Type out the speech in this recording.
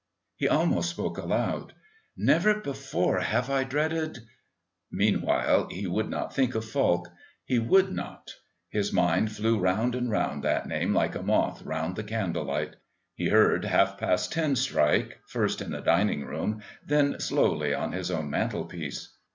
He almost spoke aloud. "Never before have I dreaded...." Meanwhile he would not think of Falk. He would not. His mind flew round and round that name like a moth round the candle light. He heard half past ten strike, first in the dining room, then slowly on his own mantelpiece.